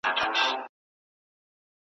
پر موږ خو تېره شوه